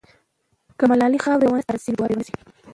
که ملالۍ خاورو ته ونه سپارل سي، نو دعا به یې ونسي.